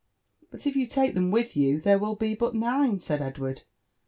" '*But if you take ihcm with yoa, there will be but nine," said Ed ^ Hard.